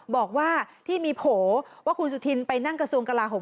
บอกว่าที่มีโผล่ว่าคุณสุธินไปนั่งกระทรวงกลาโหม